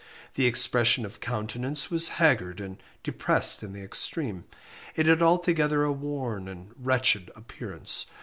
The expression of countenance was haggard and depressed in the extreme it had altogether a worn and wretched appearance.